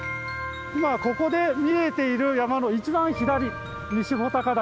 今ここで見えている山の一番左西穂高岳山頂です。